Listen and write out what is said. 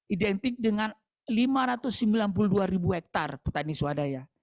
identik dengan lima ratus sembilan puluh dua ribu hektare petani swadaya